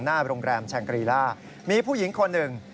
หน้าโรงแรมแชงกรีล่ามีผู้หญิงคนหนึ่ง